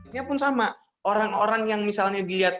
ini pun sama orang orang yang misalnya dilihat